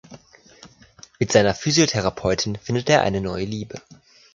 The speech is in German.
Mit seiner Physiotherapeutin findet er eine neue Liebe.